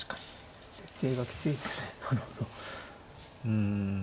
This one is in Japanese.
うん。